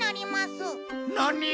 何！？